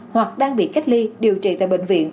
hoặc đang bị cách ly điều trị tại bệnh viện